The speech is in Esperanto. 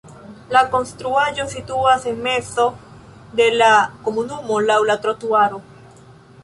La konstruaĵo situas en mezo de la komunumo laŭ la trotuaro.